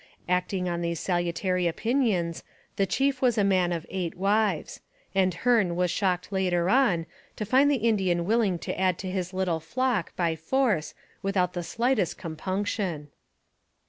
Acting on these salutary opinions, the chief was a man of eight wives, and Hearne was shocked later on to find the Indian willing to add to his little flock by force without the slightest compunction.